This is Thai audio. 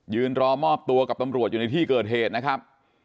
รอมอบตัวกับตำรวจอยู่ในที่เกิดเหตุนะครับ